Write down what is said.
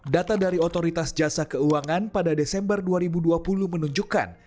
data dari otoritas jasa keuangan pada desember dua ribu dua puluh menunjukkan